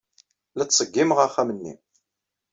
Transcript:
La ttṣeggimeɣ axxam-nni.